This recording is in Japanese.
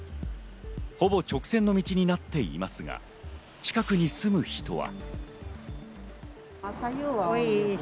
ほぼ直線の道になっていますが、近くに住む人は。